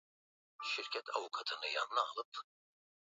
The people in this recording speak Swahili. Methakualoni na kuhusiana kuinazolinoni vitulizi hiponoti